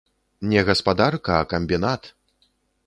Не гаспадарка, а камбінат!